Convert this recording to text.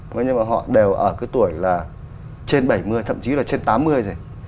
nói như mà họ đều ở cái tuổi là trên bảy mươi thậm chí là trên tám mươi rồi